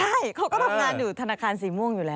ใช่เขาก็ทำงานอยู่ธนาคารสีม่วงอยู่แล้ว